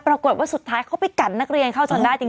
ปรากฏว่าสุดท้ายเขาไปกันนักเรียนเข้าจนได้จริง